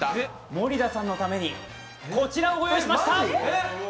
森田さんのためにこちらをご用意しました。